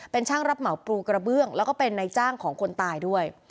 เป็นช่างรับเหมาปลูกกระเบื้องแล้วก็เป็นนายจ้างของคนตายด้วย